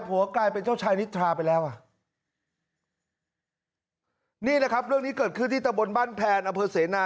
กลายเป็นเจ้าชายนิทราไปแล้วอ่ะนี่แหละครับเรื่องนี้เกิดขึ้นที่ตะบนบ้านแพนอำเภอเสนา